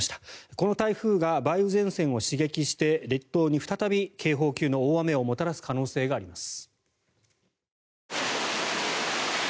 この台風が梅雨前線を刺激して列島に再び警報級の大雨をもたらす可能性があります。